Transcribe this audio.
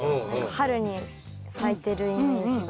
春に咲いてるイメージが。